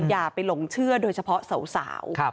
อย่าไปหลงเชื่อโดยเฉพาะสาว